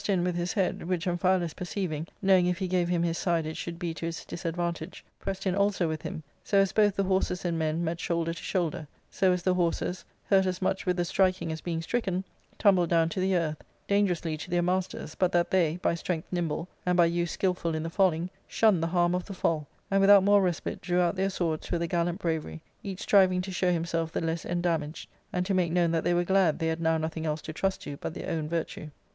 ^Book IIL in with his head, which Aixiphialus perceiving, knowing if he gave him his side it should be to his disadvantage, pressed in also with him, so as both the horses and men met shoulder to shoulder, so as the horses, hurt as much with the striking as being stricken, tumbled down to the earth, dangerously to their masters, but that they, by strength nimble, and by use skilful in the falling, shunned the harm of the fall, and without more respite drew out their swords with a gallant bravery, each striving to show himself the less endamaged, and to make known that they were glad they had now nothing else to trust to but their own virtue.